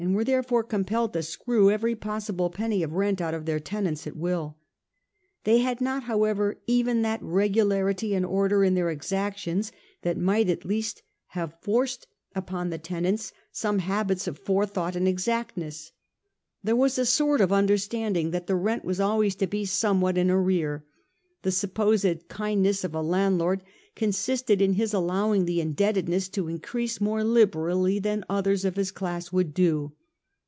were therefore compelled to screw every possible penny of rent out of their tenants at will. They had not, however, even that regularity and order in their exactions that might at least have forced upon the 1846. THE IRISH LAND SYSTEM. 41 ? tenants some habits of forethought and exactness. There was a sort of understanding that the rent was always to he somewhat in arrear ; the supposed kind ness of a landlord consisted in his allowing the in debtedness to increase more liberally than others of his class would do.